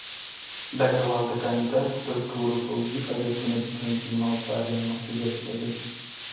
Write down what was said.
ډګروال د کندک د ټولو پوځي فعالیتونو د تنظیم او څارنې مسوولیت لري.